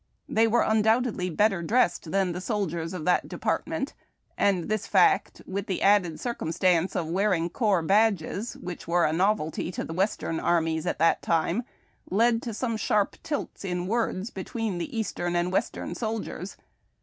They were undoubtedly better dressed than the soldiers of that department, and this fact, with the added circumstance of their wearing corps badges, which were a novelty to the Western armies at that time, led to some sharp tilts, in words, between the Eastern and Western sol diers.